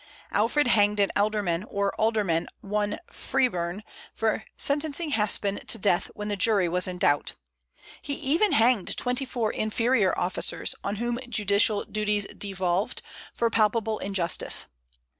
Alfred hanged an ealdorman or alderman, one Freberne, for sentencing Haspin to death when the jury was in doubt. He even hanged twenty four inferior officers, on whom judicial duties devolved, for palpable injustice.